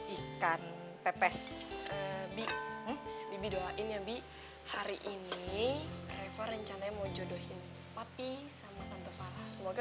ikan pepes bibir doain ya bi hari ini referen cana mau jodohin papi sama tante farah semoga